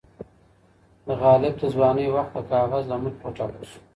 د غالب د ځوانۍ وخت د کاغذ له مخې وټاکل سو.